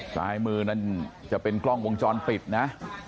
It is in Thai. ซ้ายมือนั่นจะเป็นกล้องวงจรปิดนะ